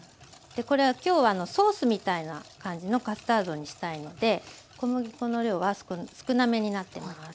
これは今日はソースみたいな感じのカスタードにしたいので小麦粉の量は少なめになってます。